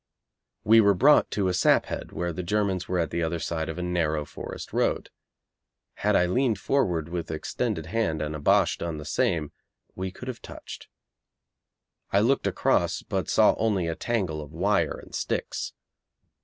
We were brought to a sap head where the Germans were at the other side of a narrow forest road. Had I leaned forward with extended hand and a Boche done the same we could have touched. I looked across, but saw only a tangle of wire and sticks.